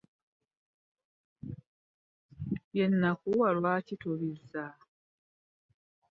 Bye nakuwa lwaki tobizza?